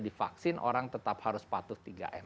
di vaksin orang tetap harus patuh tiga m